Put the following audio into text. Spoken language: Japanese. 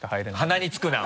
鼻につくな！